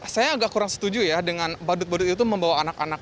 saya agak kurang setuju ya dengan badut badut itu membawa anak anak